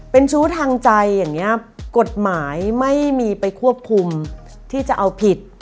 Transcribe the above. เป็นชู้ทางใจอย่างนี้กฎหมายไม่มีไปควบคุมที่จะเอาผิด